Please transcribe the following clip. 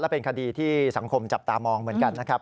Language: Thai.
เป็นคดีที่สังคมจับตามองเหมือนกันนะครับ